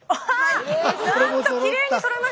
なんときれいにそろいました！